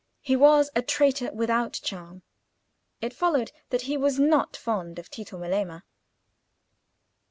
He was a traitor without charm. It followed that he was not fond of Tito Melema.